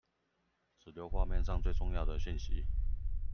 只留畫面上最重要的訊息